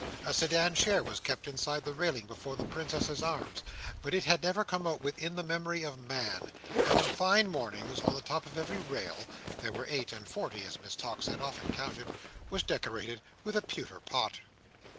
A sedan chair was kept inside the railing before the Princess's Arms, but it had never come out within the memory of man; and on fine mornings, the top of every rail (there were eight and forty, as Miss Tox had often counted) was decorated with a pewter pot.